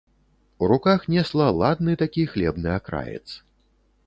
У руках несла ладны такі хлебны акраец.